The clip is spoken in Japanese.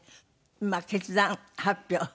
まあ決断発表。